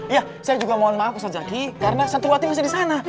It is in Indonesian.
iya saya juga mohon maaf ustadz zaki karena santurwati masih di sana